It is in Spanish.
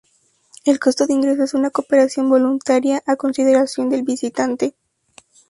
El costo de ingreso es una cooperación voluntaria a consideración del visitante.